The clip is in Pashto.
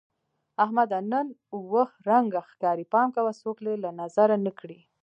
احمده! نن اووه رنگه ښکارې. پام کوه څوک دې له نظره نه کړي.